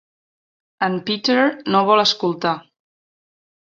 En Peter no vol escoltar.